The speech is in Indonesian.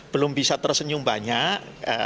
belum bisa tersenyum banyak